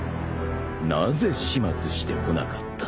なぜ始末してこなかった？